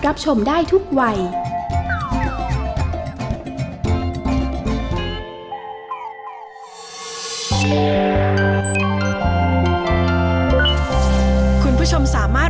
ร้องได้ให้ร้าน